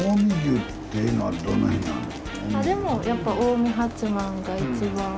あでもやっぱ近江八幡が一番。